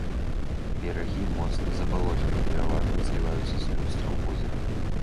Берагі моцна забалочаны, пераважна зліваюцца з люстрам возера.